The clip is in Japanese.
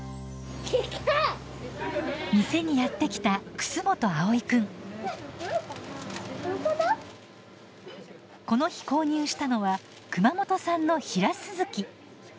店にやって来たこの日購入したのは熊本産のヒラスズキ。